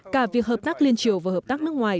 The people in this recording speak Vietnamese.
cả việc hợp tác liên triều và hợp tác nước ngoài